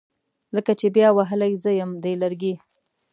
لکه چې بیا وهلي زیم دي لرګي